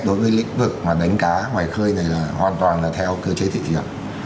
đối với lĩnh vực mà đánh cá ngoài khơi này là hoàn toàn là theo cơ chế thị trường